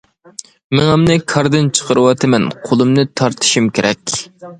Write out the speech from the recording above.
مېڭەمنى كاردىن چىقىرىۋاتىمەن، قولۇمنى تارتىشىم كېرەك!